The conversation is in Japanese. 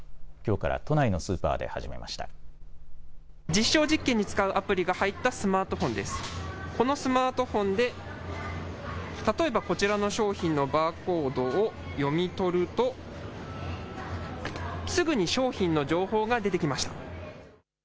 このスマートフォンで例えばこちらの商品のバーコードを読み取るとすぐに商品の情報が出てきました。